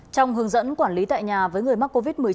trong hướng dẫn quản lý tại nhà với người mắc covid một mươi chín